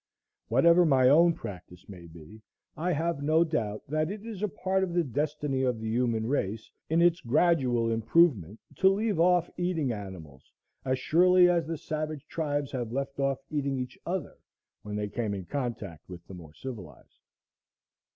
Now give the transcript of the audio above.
Whatever my own practice may be, I have no doubt that it is a part of the destiny of the human race, in its gradual improvement, to leave off eating animals, as surely as the savage tribes have left off eating each other when they came in contact with the more civilized.